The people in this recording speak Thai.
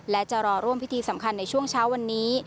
และจะรอร่วมพิธีสำคัญในช่วงเช้าวันนี้